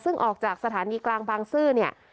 ซึ่งออกจากสถานีกลางบางซื่อเนี่ย